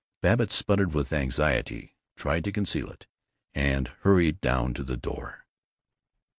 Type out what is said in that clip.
Babbitt sputtered with anxiety, tried to conceal it, and hurried down to the door.